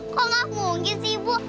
kok gak mungkin sih bu